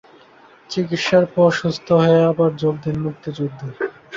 চিকিৎসার পর সুস্থ হয়ে আবার যোগ দেন মুক্তিযুদ্ধে।